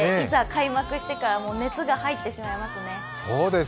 開幕してからも熱が入ってしまいますね。